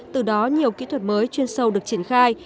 từ đó nhiều kỹ thuật mới chuyên sâu được triển khai